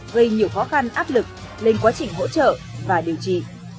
gây nhiều khó khăn áp lực lên quá trình hỗ trợ và điều trị